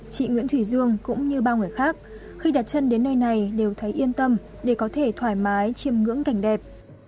chị nguyễn thủy dương cũng như bao người khác khi đặt chân đến nơi này đều thấy yên tâm để có thể thoải mái chiêm ngưỡng cảnh đẹp